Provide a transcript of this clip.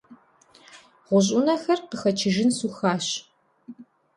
ГъущӀ Ӏунэхэр къыхэчыжын сухащ.